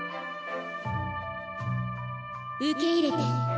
受け入れて。